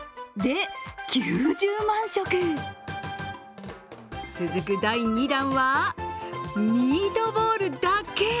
で、９０万食続く第２弾は、ミートボールだけ。